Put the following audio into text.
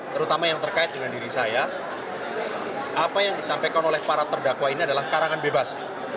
terutama yang terkait dengan diri saya apa yang disampaikan oleh para terdakwa ini adalah karangan bebas